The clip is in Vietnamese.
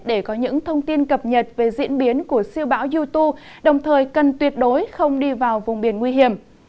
để có những thông tin cập nhật về diễn biến của siêu bão yutu đồng thời cần tuyệt đối không đi vào vùng biển nguy hiểm